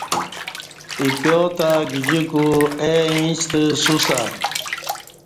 ایکیوتہ گجی کو اے ایݩستہ سوسہ